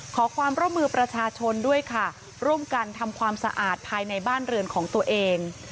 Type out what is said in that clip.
ขอความร่วมมือประชาชนด้วยค่ะร่วมกันทำความสะอาดภายในบ้านเรือนของตัวเอง